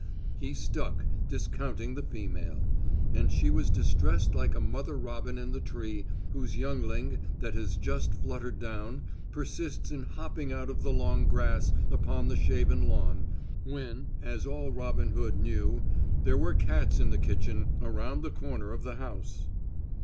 He stuck, discounting the female; and she was distressed like a mother robin in the tree, whose youngling, that has just fluttered down, persists in hopping out of the long grass upon the shaven lawn, when, as all robinhood knew, there were cats in the kitchen around the corner of the house.